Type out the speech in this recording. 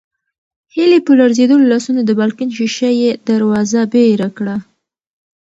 هیلې په لړزېدلو لاسونو د بالکن شیشه یي دروازه بېره کړه.